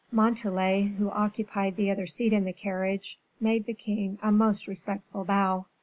Montalais, who occupied the other seat in the carriage, made the king a most respectful bow.